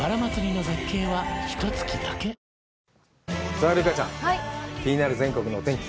さあ留伽ちゃん、気になる全国のお天気。